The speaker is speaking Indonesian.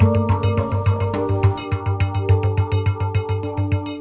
memiliki kekuasaan untuk mencapai keputusan kelima di kelas